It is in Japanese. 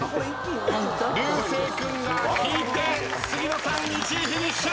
流星君が引いて杉野さん１位フィニッシュ。